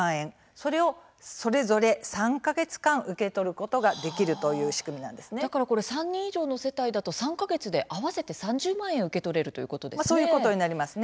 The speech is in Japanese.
それを、それぞれ３か月間受け取ることができるという３人以上の世帯だと合わせて３０万円受け取れるということですね。